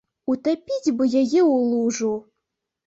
Утапіць бы яе ў лужу.